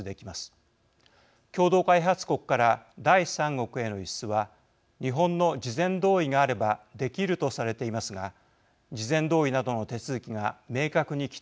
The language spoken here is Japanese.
共同開発国から第三国への輸出は日本の事前同意があればできるとされていますが事前同意などの手続きが明確に規定されていません。